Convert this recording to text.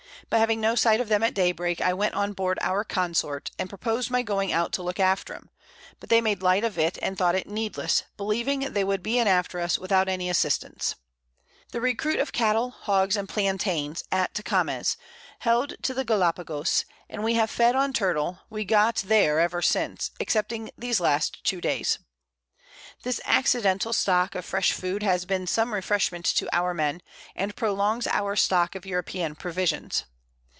But having no sight of them at Day break, I went on board our Consort, and propos'd my going out to look after 'em; but they made Light of it and thought it needless, believing they would be in after us, without any Assistance. The Recruit of Cattle, Hogs, and Plantains, at Tecames, held to the Gallapagos, and we have fed on the Turtle we got there ever since, excepting these two last Days. This accidental Stock of fresh Food has been some Refreshment to our Men, and prolongs our Stock of European Provisions.